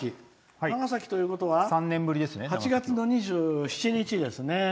長崎ということは８月２７日ですね。